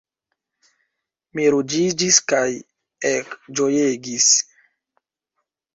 Mi ruĝiĝis kaj ekĝojegis.